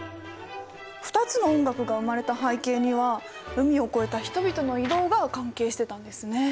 ２つの音楽が生まれた背景には海を越えた人々の移動が関係してたんですね。